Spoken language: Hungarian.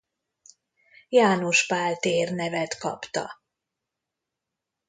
János Pál tér nevet kapta.